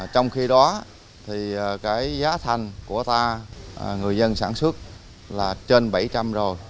trong khi đó thì cái giá thành của ta người dân sản xuất là trên bảy trăm linh rồi